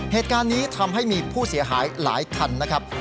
เหตุการณ์นี้ทำให้มีผู้เสียหายหลายคันนะครับ